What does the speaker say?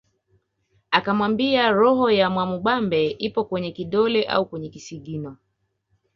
Akamwambia roho ya Mwamubambe iko kwenye kidole au kwenye kisigino